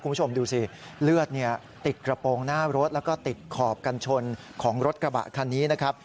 คุณผู้ชมดูสิเลือดติดกระโปรงหน้ารถแล้วก็ติดขอบกันชนของรถกระบะคันนี้นะครับ